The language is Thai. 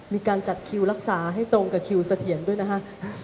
มีการจัดคิวรักษาให้ตรงกับคิวเสถียรด้วยนะคะ